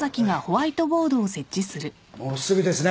もうすぐですね